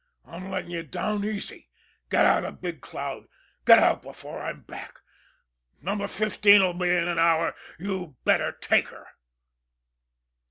I'm lettin' you down easy. Get out of Big Cloud! Get out before I'm back. Number Fifteen 'll be in in an hour you'd better take her."